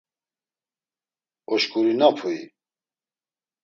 Oşkurinapui?